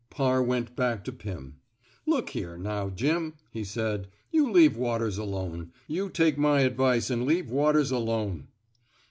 Parr went back to Pim. Look here, now, Jim," he said. You leave Waters alone. You take my advice an' leave Waters alone."